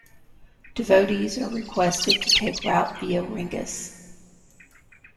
Devotees are requested to take route via Ringus.